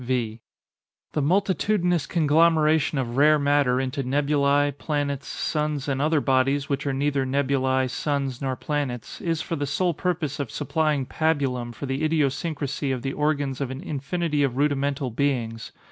V. The multitudinous conglomeration of rare matter into nebulæ, planets, suns, and other bodies which are neither nebulæ, suns, nor planets, is for the sole purpose of supplying pabulum for the idiosyncrasy of the organs of an infinity of rudimental beings.